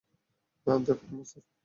Debkumar, sir.